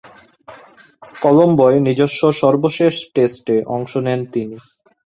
কলম্বোয় নিজস্ব সর্বশেষ টেস্টে অংশ নেন তিনি।